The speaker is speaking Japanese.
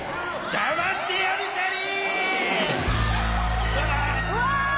じゃましてやるシャリ！